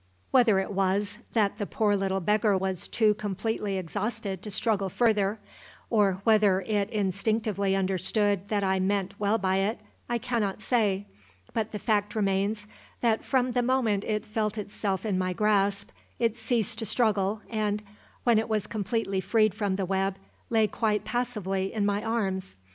Whether it was that the poor little beggar was too completely exhausted to struggle further, or whether it instinctively understood that I meant well by it, I cannot say, but the fact remains that from the moment it felt itself in my grasp it ceased to struggle and, when it was completely freed from the web, lay quite passively in my arms.